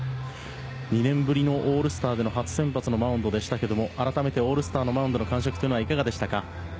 ２年ぶりのオールスターでの初先発でのマウンドでしたが改めてオールスターのマウンドの感触はいかがでしたか？